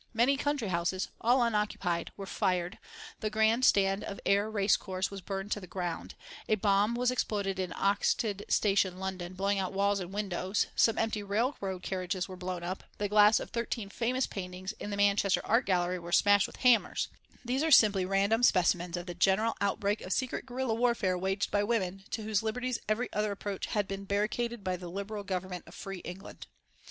Many country houses all unoccupied were fired, the grand stand of Ayr race course was burned to the ground, a bomb was exploded in Oxted Station, London, blowing out walls and windows, some empty railroad carriages were blown up, the glass of thirteen famous paintings in the Manchester Art Gallery were smashed with hammers these are simply random specimens of the general outbreak of secret guerilla warfare waged by women to whose liberties every other approach had been barricaded by the Liberal Government of free England.